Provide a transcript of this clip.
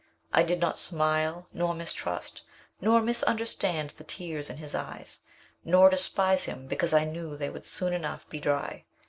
I did not smile nor mistrust, nor misunderstand the tears in his eyes, nor despise him because I knew they would soon enough be dry.